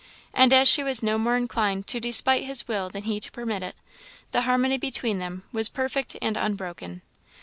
And as she was no more inclined to despite his will than he to permit it, the harmony between them was perfect and unbroken.